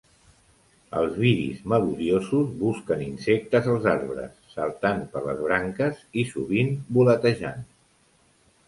Els viris melodiosos busquen insectes als arbres, saltant per les branques i sovint voletejant.